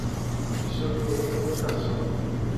Você obtém uma educação.